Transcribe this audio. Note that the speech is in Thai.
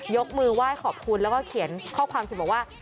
ยกมือไหว้ขอบคุณแล้วก็เขียนข้อความถึงบอกว่า